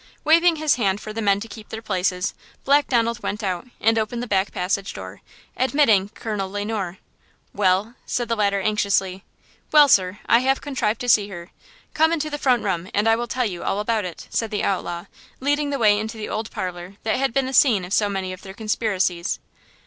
Waving his hand for the men to keep their places, Black Donald went out and opened the back passage door, admitting Colonel Le Noir. "Well!" said the latter anxiously. "Well, sir, I have contrived to see her; come into the front room and I will tell you all about it!" said the outlaw, leading the way into the old parlor that had been the scene of so many of their conspiracies.